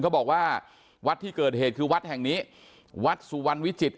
เขาบอกว่าวัดที่เกิดเหตุคือวัดแห่งนี้วัดสุวรรณวิจิตร